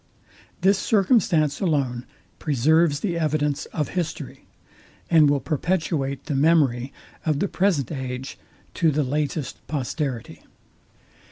This circumstance alone preserves the evidence of history, and will perpetuate the memory of the present age to the latest posterity.